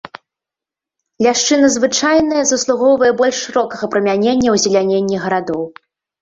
Ляшчына звычайная заслугоўвае больш шырокага прымянення ў азеляненні гарадоў.